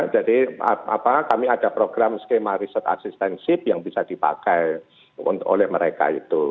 jadi kami ada program skema research assistantship yang bisa dipakai oleh mereka